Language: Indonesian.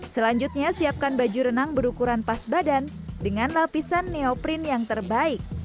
selanjutnya siapkan baju renang berukuran pas badan dengan lapisan neoprin yang terbaik